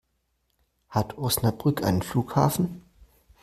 Hat Osnabrück einen Flughafen?